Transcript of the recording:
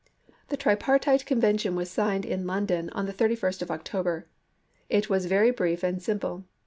The tripartite convention was signed in London 1861. on the 31st of October. It was very brief and simple.